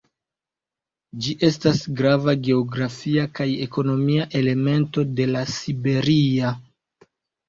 Ĝi estas grava geografia kaj ekonomia elemento de La Siberia.